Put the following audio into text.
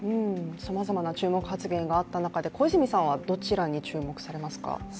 さまざまな注目発言があった中で小泉さんはどちらに注目されますか？